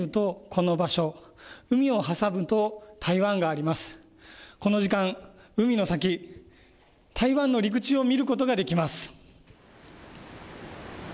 この時間、海の先、台湾の陸地を見ることができます。